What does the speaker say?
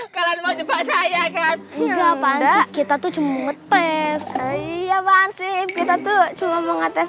kalian mau coba saya kan juga pada kita tuh cuma tes iya wansi kita tuh cuma mengates